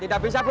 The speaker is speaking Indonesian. tidak bisa bu